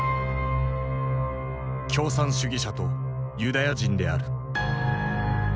共産主義者とユダヤ人である。